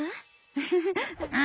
ウフフフ。